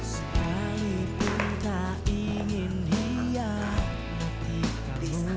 sekalipun tak ingin hianat di kamu